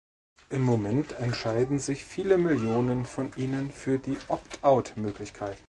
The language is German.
Im Moment entscheiden sich viele Millionen von ihnen für die Opt-out-Möglichkeit.